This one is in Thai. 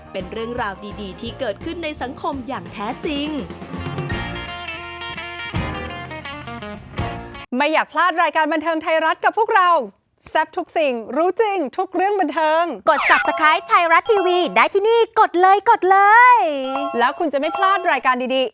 เป็นเรื่องราวดีที่เกิดขึ้นในสังคมอย่างแท้จริง